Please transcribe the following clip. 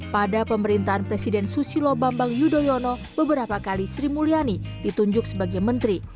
pada pemerintahan presiden susilo bambang yudhoyono beberapa kali sri mulyani ditunjuk sebagai menteri